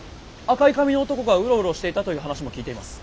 赤い髪の男がうろうろしていたという話も聞いています。